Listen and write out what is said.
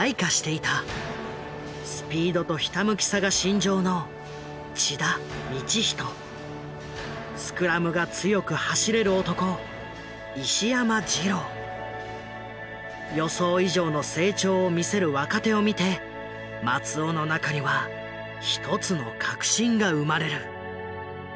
スピードとひたむきさが身上のスクラムが強く走れる男予想以上の成長を見せる若手を見て松尾の中には一つの確信が生まれる。